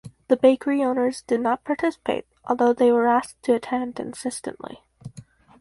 The bakery owners did not participate although they were asked to attend insistently.